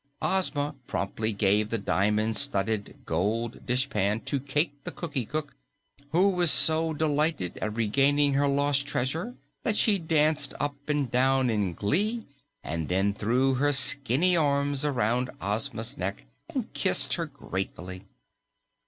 Ozma promptly gave the diamond studded gold dishpan to Cayke the Cookie Cook, who was delighted at regaining her lost treasure that she danced up and down in glee and then threw her skinny arms around Ozma's neck and kissed her gratefully.